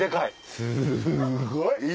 すごい！